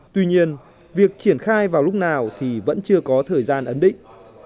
tuy nhiên việc triển khai vào lúc nào thì vẫn chưa có thời gian ấn định